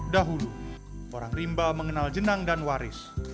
dahulu orang rimba mengenal jenang dan waris